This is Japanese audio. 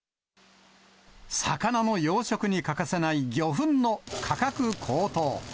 魚の養殖に欠かせない魚粉の価格高騰。